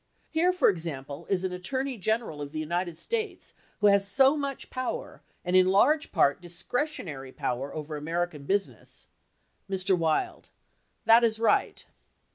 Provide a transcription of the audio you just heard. Here, for example, is an Attorney Gen eral of the United States who has so much power and in large part, discretionary power over American business Mr. Wild. That is right.